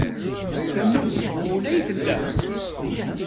Tamurt deg wul ay tella.